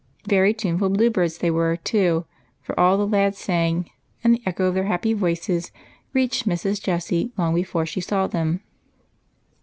Very tuneful blue birds they were, too, for all tlie lads sang, and the echo of their happy voices reached jMrs. Jessie long before she saw them.